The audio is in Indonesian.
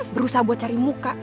berusaha buat cari muka